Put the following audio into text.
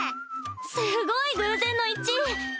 すごい偶然の一致。